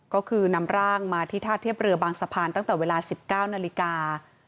ก็คือนำร่างมาที่ท่าเทียบเรือบางสะพานตั้งแต่เวลา๑๙นาฬิกา